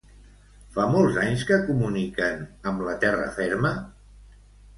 Fa molts anys que comuniquen amb la terra ferma?